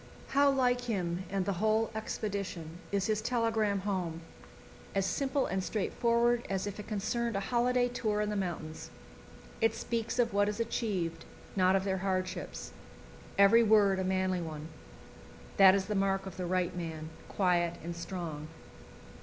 How like him and the whole expedition is his telegram home as simple and straightforward as if it concerned a holiday tour in the mountains. It speaks of what is achieved, not of their hardships. Every word a manly one. That is the mark of the right man, quiet and strong.